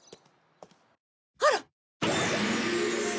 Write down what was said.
あら！？